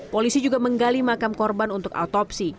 polisi juga menggali makam korban untuk autopsi